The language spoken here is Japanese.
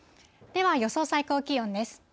では予想最高気温です。